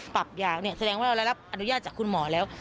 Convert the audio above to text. ปรับยาวเนี่ยแสดงว่าเรารับอนุญาตจากคุณหมอแล้ว